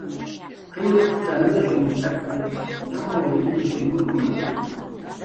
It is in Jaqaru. Qillqt'anushumtakiq amur illush nurma